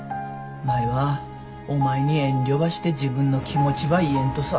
舞はお前に遠慮ばして自分の気持ちば言えんとさ。